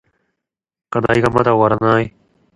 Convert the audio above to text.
課題がまだ終わらない。